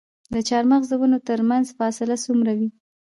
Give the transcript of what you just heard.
د چهارمغز د ونو ترمنځ فاصله څومره وي؟